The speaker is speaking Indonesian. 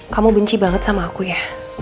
kamu benci banget sama aku ya